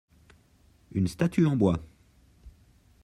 Une statue en bois.